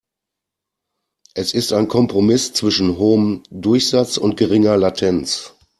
Es ist ein Kompromiss zwischen hohem Durchsatz und geringer Latenz.